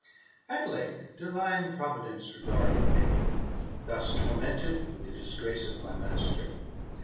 At length divine provi dence regarded me, thus tormented with the disgrace of my master.